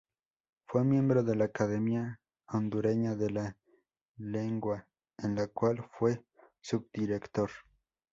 Fue miembro de la Academia Hondureña de la Lengua, en la cual fue Subdirector.